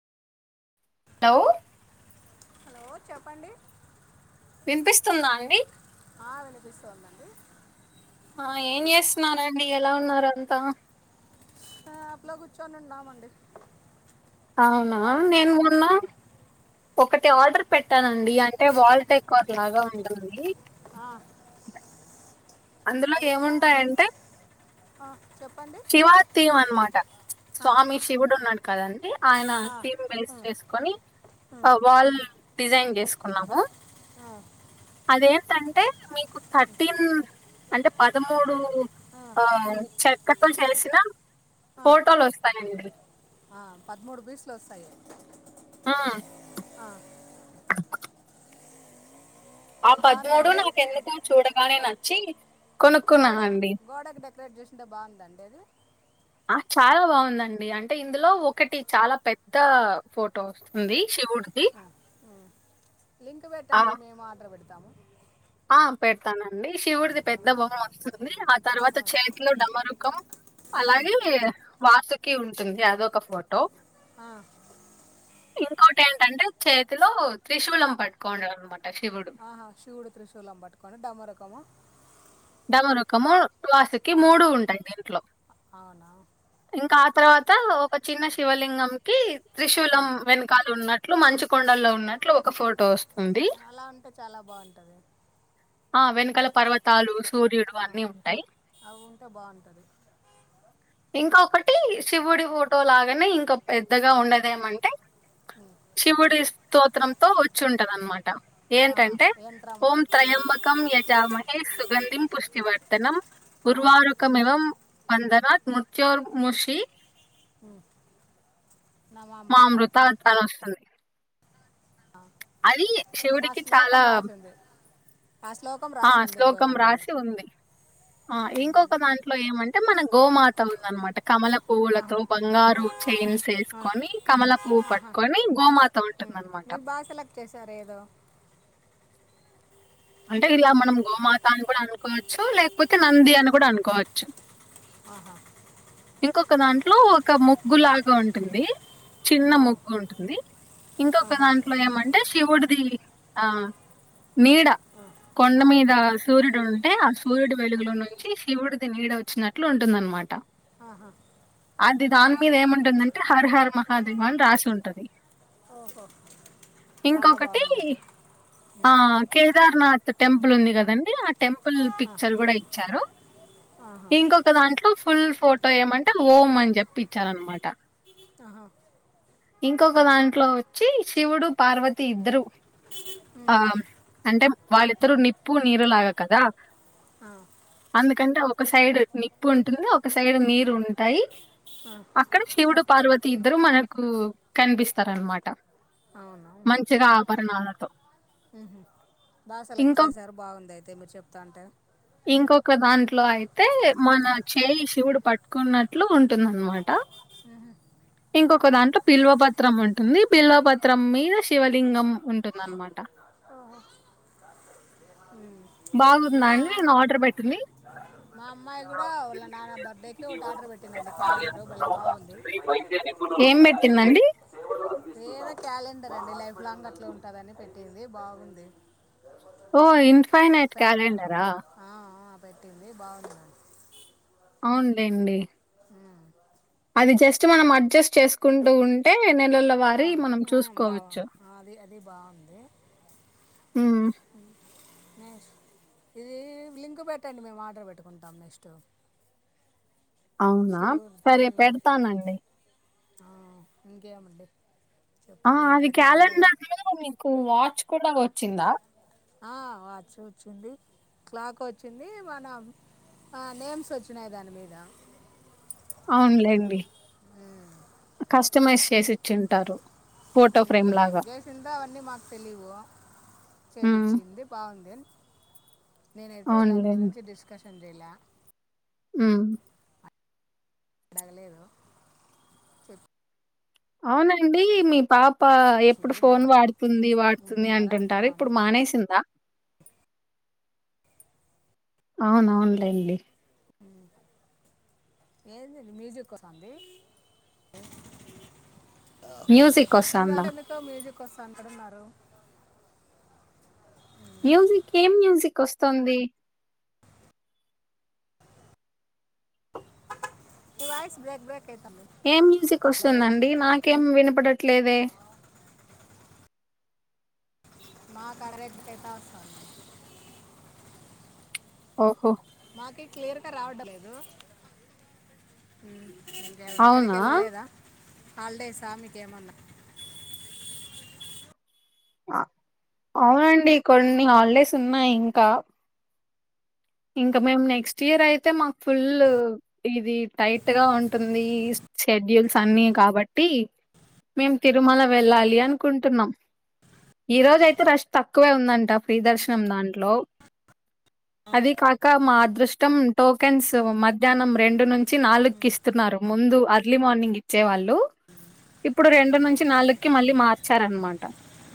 నవ్వు హలో చెప్పండి వినిపిస్తుందా అండి ఆ వినిపిస్తోంది అండి ఆ ఏం చేస్తున్నారండి ఎలా ఉన్నారు అంతా. షాప్లో కూర్చొని ఉన్నామండి. అవునా నేన్ బాగున్నాము మొన్నా ఒకటి ఆర్డర్ పెట్టానండి అంటే వాల్ డెకార్ లాగా ఉంటుంది. ఆ అందులో అది ఎలా ఏముంటాయంటే ఆ, చెప్పండి శివా తీవన్ అన్మాట ఆ, స్వామి శివుడు ఉన్నాడు కదండి ఆయన ఆ, థీమ్ బేస్ ఆ, చేసుకొని ఆ, వాళ్ళు డిజైన్ చేసుకున్నాము ఆ అదేంటంటే మీకు థర్టీన్ అంటే పదమూడు ఆ చెక్కతో చేసిన ఆ, ఫోటోలు వస్తాయండి ఆ పదమూడు పిసులు వస్తాయి ఆ ఆ పదమూడు బాగుందండి నాకెందుకొ చూడగానే నచ్చి గోడక్ కొనుక్కున్నానండి గోడకు డెకరేట్ చేసింటే బాగుంద అండి అది ఆ చాలా బాగుందండి అంటే ఇందులో ఒకటి చాలా పెద్ద ఫొటో ఉంది శివుడు ఆ ఉ లింక్ ఆ పెట్టండి మేము ఆర్డర్ పెడతాము ఆ పెడతానండి శివుడిది పెద్ద బొమ్మ వస్తుంది తర్వాత చేతిలో డమరుకం అలాగే వాసుకి ఉంటుంది అదొక ఫోటో ఆ ఇంకోటి ఏంటంటే చేతిలో త్రిశూలం పట్టుకొండు అనమాట శివుడు ఆ శివుడు త్రిశూలం పట్టుకోని డమరుకమా డమరుకము వాసుకి ఆ, మూడు ఉంటాయి దీంట్లో అవునా ఇంకా ఆ తర్వాత ఒక చిన్న శివలింగం కి త్రిశూలం ఉమ్. వెనుక కాల ఉన్నట్లు మంచు కొండల్లో ఉన్నట్లు ఒక ఫోటో వస్తు చాలా అంటే చాలా బాగుంటది ఆది ఆ వెనకాల పర్వతాలు సూర్యుడు ఆ, అన్ని ఉంటాయి అవి ఉంటే బాగుంటది ఇంకొకటి శివుడి ఫోటో లాగానే ఇంక పెద్దగా ఉండదేమంటే హ్మ్ శివుడి స్తోత్రంతో వచ్చింటది అన్నమాట ఆహా ఏంటంటే ఏంట్రమ్మా ఓం త్రయంబ కం యజామహే సుగంధిం పుష్టివర్తనం ఆ, ఉర్వారుక్ కమివం వందనాత్ మృత్యోర్ ముషి హ్మ్ మామృతా అట్లా అని వస్తుంది ఆ అది ఆ శివుడికి చాలా శ్లోకం రాసింది ఆ శ్లోకం కం ఆ రాసింది ఇంకో శ్లోకం దాని మీద రాసి ఉంది ఆ ఇంకొక దాంట్లో ఏమంటే మన గోమాత ఉందనమాట కమలం ఆహా పువ్వులతో బంగారు చైన్స్ ఆ, వేసుకొని కమల పువ్వు పట్టుకొని గోమాత ఉంటుంది అనమాట చేసారు ఏదో అంటే ఇలా మనం గోమాత అని కూడా అనుకోవచ్చు లేకపోతే నంది అని కూడా అనుకోవచ్చు ఆహా ఇంకొక దాంట్లో ఒక ముగ్గులాగా ఉంటుంది చిన్న ఆ, ముగ్గు ఉంటుంది ఇంకొక ఆహా దాంట్లో ఏమంటే శివుడిది ఆ నీడ కొండ ఆ, మీద సూర్యుడు ఉంటే ముర్యుడు వెలుగులో నుంచి శివుడిది నీడ వచ్చినట్లు ఉంటుంది ఆన్నమాట ఆహా అది దాని మీద ఏముంటుందంటే హర్ హర్ మహాదేవ అని రాసి ఉంటది ఓహో చాలా ఇంకొకటి బాగుంది అయితే ఆ ఉమ్, కేదార్నాథ్ టెంపుల్ ఉంది కదండి ఆ టెంపుల్ పిక్చర్ కూడ ఇచ్చారు ఆహా ఇంకొక దాంట్లో ఫుల్ ఫోటో ఏమంటే ఓమ్ అని చెప్పి ఇచ్చారు అనమాట ఆహా ఇంకొక దాంట్లో వచ్చి శివుడు పార్వతి ఇద్దరు ఉమ్, ఆ అంటే వాళ్ళిద్దరు నిప్పు నీరులాగ కదా ఆ అందుకంటే ఒక సైడ్ నిప్పు ఉంటుంది ఒక సైడ్ నీరు ఉంటాయ్ ఆ, అక్కడ శివుడు పార్వతి ఇద్దరు మనకు కనిపిస్తారు అనమాట అవునా మంచిగా ఆభరణాలతో బాగ సెలెక్ట్ ఇంకొక చేశారు బాగుంది అయితే మీరు చెప్తూంటే ఇంకొక దాంట్లో అయితే మన చేయి శివుడు ప ట్టుకోన్నట్లు ఉంటుందన్నమాట మ్మ్హ. ఇంకొక దాంట్లో బిల్వ బత్రం ఉంటుంది బిల్వ పత్రం మీద శివలింగం ఉంటుంద అన్నమాట ఆహా బాగుంద అండి నేను ఆర్డర్ పెట్టింది మా అమ్మాయి కూడ వాళ్ళ నాన్న బర్త్డే [unintelligible] ఒకటి ఆర్డర్ పెట్టిందండి క్యాలెండరు బాలే బాగుంది ఏం పెట్టింది అండి ఎదో క్యాలెండర్ అండి లైఫ్ లాంగ్ అట్లే ఉంటదని పెట్టింది బాగుంది ఓ ఇన్ఫైనైట్ ఫ్యా క్యాలెండరా పెట్టింది ఆ ఆ బాగుంది మ్యామ్. అవునులేండి ఆ అది జస్ట్ మనం అడ్జస్ట్ చేస్ కుంటూ ఉంటే నెలల ఆ, వారి మనం ఆ, బావా చూసుకోవచ్చు ఆ, అది అది బాగుంది ఉ ఇది లింక్ పెట్టండి మేము ఆర్డర్ పెట్టుకుంటాం నెక్స్ట్ అవునా సరే శివుడిది పెడతానండి ఆ ఇంకేమండి ఆ చెప్పండి అది ఎక్కడికి వెళ్ళలేదా క్యాలెండర్ లో మీకు వాచ్ కూడ వచ్చిందా ఆ వాచ్ వచ్చింది క్లాక్ వచ్చింది మనం ఆ నేమ్స్ వచ్చినాయ్ దాని మీద అవునులేండి ఉ కస్టమైజ్ చేసి ఇచ్చింటారు ఫోటో ఫ్రేమ్ ఏం లాగా చేసిందో అవన్నీ మాకు తెలివు హ్మ్ చేపిచింది బాగుంది నేనైతే దాని అవునులేండి గురించి డిస్కషన్ చేయలే ఉ అడగలేదు అవునండి మీ పాప ఎప్పుడు చెప్పించింది ఫోన్ బాగుంది వాడుతుంది వాడుతుంది ఉడ్డున్నారా అంటుంటారు బాగుంది ఇప్పుడు మానేసింద అవునవును లెండి [unintelligible] [unintelligible] మ్యూజిక్ వస్తాందా? ఎందుకో మ్యూజిక్ [unintelligible] మ్యూజిక్ ఏం మ్యూజిక్ వస్తంది వాయిస్ బేక్ బ్రేక్ అయితంది ఏం మ్యూజిక్ ఓస్తుందండి నాకేం వినపడట్లేదే మా కాడా రెంటు ఎట్టా ఉంటాది. ఓహో మాకి క్లియర్గా రావడం లేదు. ఎక్కడికి అవునా! వెళ్ళలేదా? హాలిడేసా మీకేమన్నా? అవునండి కొన్ని హాలిడేస్ ఉన్నాయి ఇంకా? ఇంకా మాకు నెక్స్ట్ ఇయర్ అయితే మాకు ఫుల్. ఇది టైట్ గా ఉంటుంది. షెడ్యూల్స్ అన్ని కాబట్టి మేం తిరుమల వెళ్ళాలి అనుకుంటున్నాం. ఈ రోజు అయితే రష్ తక్కువే ఉందంట ఫ్రీ దర్శనం దాంట్లో. అది కాక మా అదృష్టం టోకెన్స్ మధ్యాహ్నం రెండు నుంచి నాలుగుకి ఇస్తున్నారు. ముందు అర్లీ మార్నింగ్ ఇచ్చేవాళ్ళు. ఇప్పుడు రెండు నుంచి నాలుగుకి మళ్ళీ మార్చారన్నమాట.